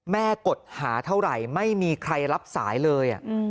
กดหาเท่าไหร่ไม่มีใครรับสายเลย